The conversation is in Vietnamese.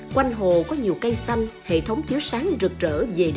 quanh hồ có nhiều cây xanh hệ thống chiếu sáng rực rỡ